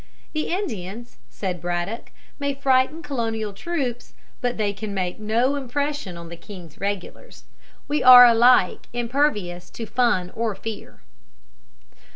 ] "The Indians," said Braddock, "may frighten Colonial troops, but they can make no impression on the king's regulars. We are alike impervious to fun or fear."